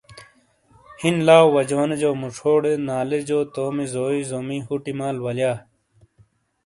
ہِین لاؤ وجونو جو موچھوڈے نالے جو تومی زوئی ظومو ہوٹی مال ولیا ۔